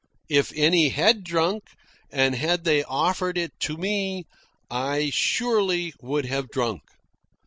If any had drunk, and had they offered it to me, I surely would have drunk.